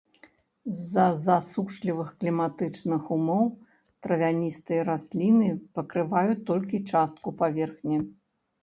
З-за засушлівых кліматычных умоў травяністыя расліны пакрываюць толькі частку паверхні.